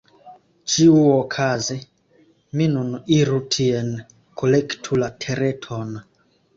Ĉiuokaze mi nun iru tien, kolektu la Tereton…